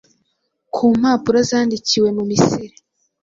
Ku mpapuro zandikiwe mu Misiri